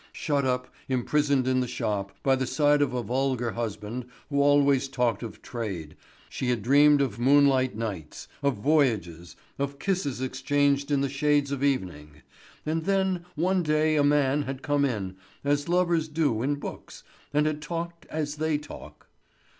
Shut up, imprisoned in the shop, by the side of a vulgar husband who always talked of trade, she had dreamed of moonlight nights, of voyages, of kisses exchanged in the shades of evening. And then, one day a man had come in, as lovers do in books, and had talked as they talk.